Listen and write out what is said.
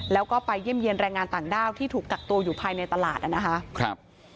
แล้วก็ไปเยี่ยมเยี่ยมแรงงานต่างด้าวที่ถูกกักตัวอยู่ภายในตลาดนะครับ